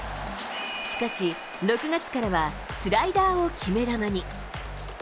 しかし、６月からはスライダーを決め球に。